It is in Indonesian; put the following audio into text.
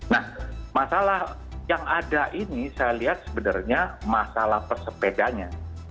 nah masalah yang ada ini saya lihat sebenarnya masalah pesepedanya